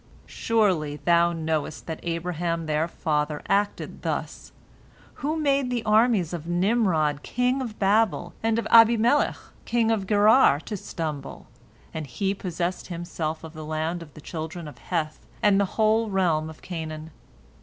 "Surely thou knowest that Abraham their father acted thus, who made the armies of Nimrod king of Babel and of Abimelech king of Gerar to stumble, and he possessed himself of the land of the children of Heth and the whole realm of Canaan.